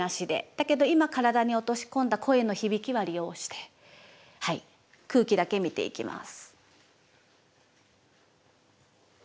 だけど今体に落とし込んだ声の響きは利用して空気だけ見ていきます。